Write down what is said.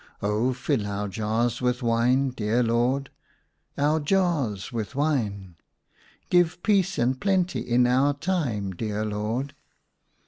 " Oh, fill our jars with wine, dear Lord." " Our jars with wine." " Give peace and plenty in our time, dear Lord."